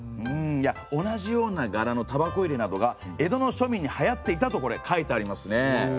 うんいや同じような柄のタバコ入れなどが江戸のしょみんにはやっていたとこれ書いてありますね。